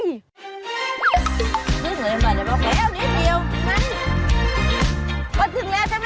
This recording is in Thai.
ถึงเลยมาเลยเร็วนิดเดียว